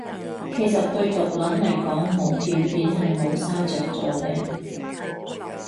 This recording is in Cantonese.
其實對毒撚嚟講無條件係冇着衫最靚